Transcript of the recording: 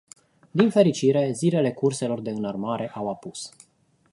Din fericire, zilele curselor de înarmare au apus.